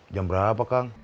jam berapa kang